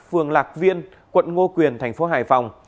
phường lạc viên quận ngô quyền thành phố hải phòng